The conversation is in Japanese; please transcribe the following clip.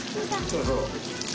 そうそう。